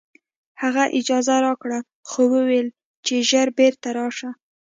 هغه اجازه راکړه خو وویل چې ژر بېرته راشه